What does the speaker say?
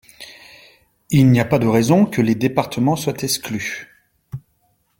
Il n’y a pas de raison que les départements soient exclus.